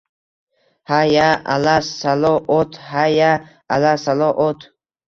— Hay…ya alas… salo…ot! Hay… ya alas… salo…ot!